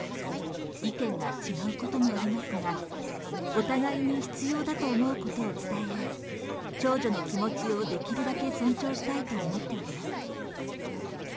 意見が違うこともありますが、お互いに必要だと思うことを伝え合い、長女の気持ちをできるだけ尊重したいと思っております。